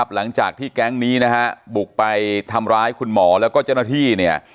หลังจากที่แก๊งก์นี้บุกไปทำร้ายคุณหมอแล้วก็เจ้าหน้าที่